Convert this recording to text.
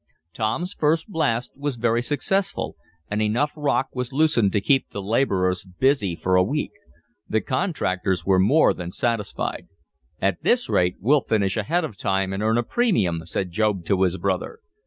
Tom's first blast was very successful, and enough rock was loosed to keep the laborers busy for a week. The contractors were more than satisfied. "At this rate we'll finish ahead of time, and earn a premium," said Job to his brother.